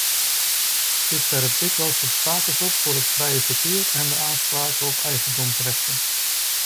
Dit werpt dikwijls obstakels op voor het vrije verkeer en de aanspraken op eigendomsrechten.